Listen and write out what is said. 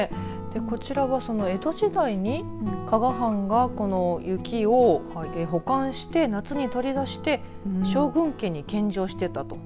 こちらは江戸時代に加賀藩がこの雪を保管して夏に取り出して将軍家に献上していたと。